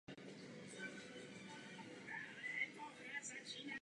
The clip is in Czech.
Imám se pouze od Boha dozví jméno svého nástupce.